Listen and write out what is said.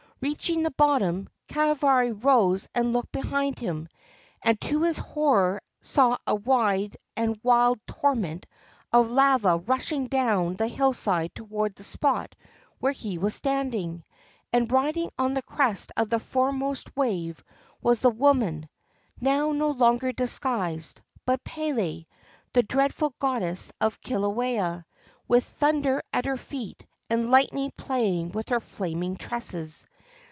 Reaching the bottom, Kahavari rose and looked behind him, and to his horror saw a wide and wild torrent of lava rushing down the hillside toward the spot where he was standing; and riding on the crest of the foremost wave was the wo man — now no longer disguised, but Pele, the dreadful Goddess of Kilauea — with thunder at her feet and lightning playing with her flaming tresses.